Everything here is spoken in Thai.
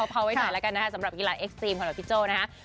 พอไว้หน่อยละกันนะครับสำหรับกีฬาเอ็กซ์สตรีมของพี่โจ้